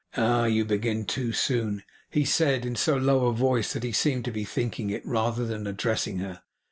'Ah! you begin too soon,' he said, in so low a voice that he seemed to be thinking it, rather than addressing her.